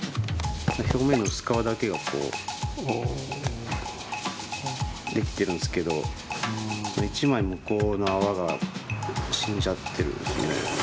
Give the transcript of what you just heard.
表面の薄皮だけがこうできてるんですけど１枚向こうの泡が死んじゃってるんですね。